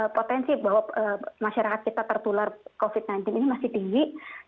potensi bahwa masyarakat kita tertular covid sembilan belas ini masih tinggi